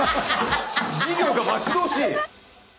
授業が待ち遠しい！